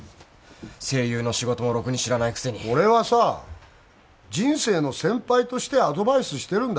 声優の仕事もろくに知らないくせに俺はさ人生の先輩としてアドバイスしてるんだ